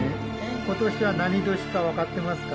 今年は何年かわかってますか？